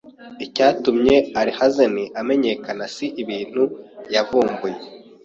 Icyatumye Alhazen amenyekana si ibintu yavumbuye